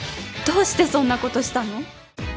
どうしてそんな事したの？